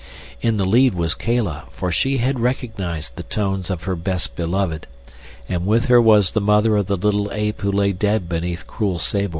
In the lead was Kala, for she had recognized the tones of her best beloved, and with her was the mother of the little ape who lay dead beneath cruel Sabor.